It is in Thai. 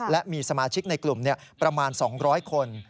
และมีสมาชิกในกลุ่มประมาณ๒๐๐คน